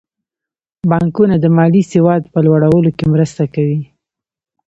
بانکونه د مالي سواد په لوړولو کې مرسته کوي.